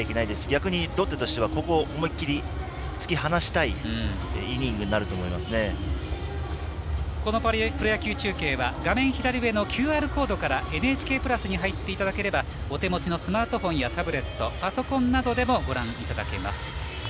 逆にロッテとしては、ここは思い切り突き放したいイニングにこのプロ野球中継は画面左上のＱＲコードからＮＨＫプラスに入っていただければお手元ののスマートフォンやタブレットたパソコンなどでもご覧いただけます。